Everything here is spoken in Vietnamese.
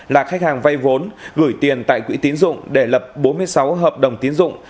là khách hàng vay vốn gửi tiền tại quỹ tín dụng để lập bốn mươi sáu hợp đồng tiến dụng